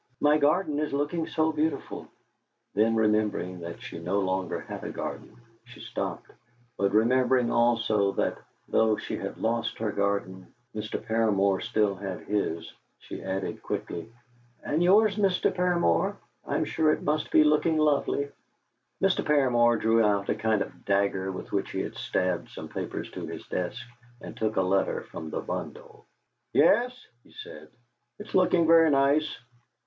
"My garden is looking so beautiful " Then, remembering that she no longer had a garden, she stopped; but remembering also that, though she had lost her garden, Mr. Paramor still had his, she added quickly: "And yours, Mr. Paramor I'm sure it must be looking lovely." Mr. Paramor drew out a kind of dagger with which he had stabbed some papers to his desk, and took a letter from the bundle. "Yes," he said, "it's looking very nice.